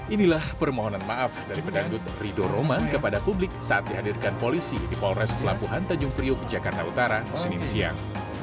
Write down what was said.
inilah permohonan maaf dari pedangdut rido roman kepada publik saat dihadirkan polisi di polres pelabuhan tanjung priuk jakarta utara senin siang